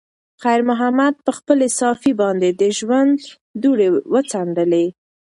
خیر محمد په خپلې صافې باندې د ژوند دوړې وڅنډلې.